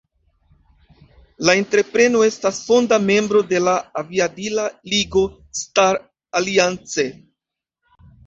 La entrepreno estas fonda membro de la aviadila ligo "Star Alliance".